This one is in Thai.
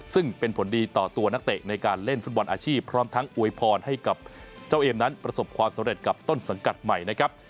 ซึ่งเป็นผลดีต่อตัวนักเตะในการเล่นฟุตบอลอาชีพพร้อมทั้งอวยพรให้กับเจ้าเอมนั้นประสบความสำเร็จกับต้นสังกัดใหม่นะครับ